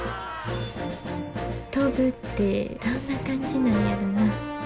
飛ぶってどんな感じなんやろな。